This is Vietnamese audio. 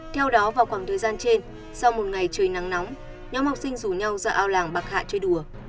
theo đó vào khoảng thời gian trên sau một ngày trời nắng nóng nhóm học sinh rủ nhau ra ao làng bạc hạ chơi đùa